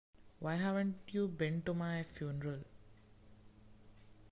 Why haven't you been to my funeral?